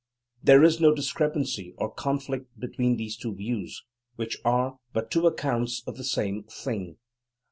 There is no discrepancy or conflict between these two views, which are but two accounts of the same thing.